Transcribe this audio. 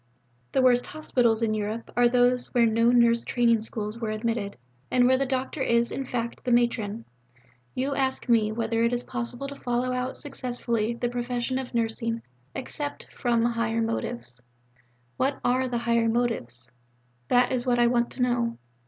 The worst hospitals in Europe are those where no nurse training schools are admitted, where the doctor is, in fact, the matron. You ask me whether it is possible to follow out successfully the profession of Nursing except from 'higher motives.' What are the 'higher motives'? That is what I want to know.